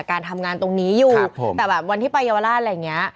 การทำงานตรงนี้อยู่แต่แบบวันที่ไปเยาวราชอะไรอย่างนี้